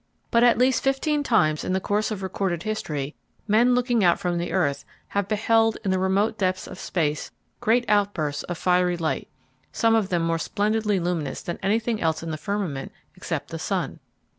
But at least fifteen times in the course of recorded history men looking out from the earth have beheld in the remote depths of space great outbursts of fiery light, some of them more splendidly luminous than anything else in the firmament except the sun!